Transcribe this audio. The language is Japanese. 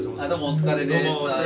お疲れさまです。